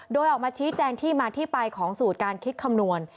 โดยออกมาชี้แจงที่มาที่ไปของสูตรการคิดคำนวณ